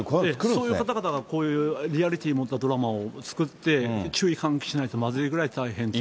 そういう方々がこういうリアリティーを持ったドラマを作って、注意喚起しないとまずいということなんですね。